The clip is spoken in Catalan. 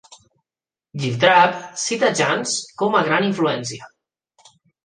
Giltrap cita Jansch com a gran influència.